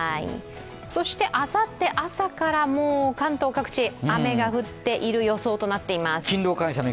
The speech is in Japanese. そしてあさって、朝から関東各地雨が降っている予想となっています。